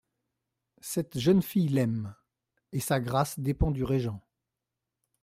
Cette jeune fille l'aime ; et sa grâce dépend du régent.